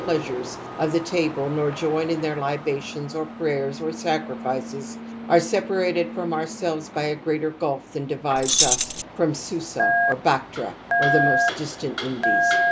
pleasures of the table nor join in their libations or _ prayers or sacrifices, are separated from ourselves by a greater gulf than divides us from Susa or Bactra or the more distant Indies.